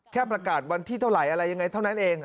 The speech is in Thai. แค่ประกาศวันที่เท่าไหร่อะไรยังไงเท่านั้นเอง